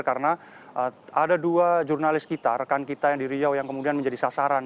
karena ada dua jurnalis kita rekan kita yang di riau yang kemudian menjadi sasaran